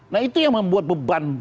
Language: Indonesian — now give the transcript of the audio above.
nah itu yang membuat beban